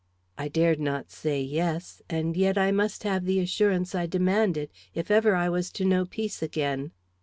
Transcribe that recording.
I dared not say "Yes," and yet I must have the assurance I demanded, if ever I was to know peace again.